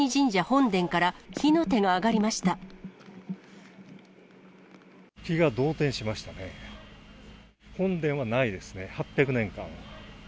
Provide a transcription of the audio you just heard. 本殿はないですね、８００年間。